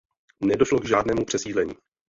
Nedošlo k žádnému přesídlení.